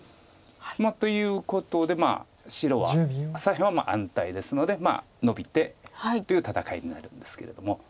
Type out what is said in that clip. ということで白は左辺は安泰ですのでノビてという戦いになるんですけれども。